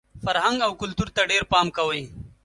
فرهنګ او کلتور ته ډېر پام کوئ!